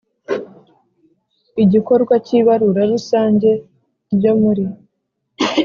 igikorwa cy ibarura rusange ryo muri